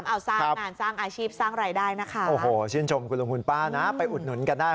โอ้โฮชื่นชมคุณลงคุณป้านะไปอุดหนุนกันได้